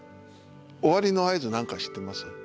終わりの合図何か知ってます？